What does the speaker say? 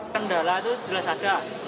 kendala itu jelas ada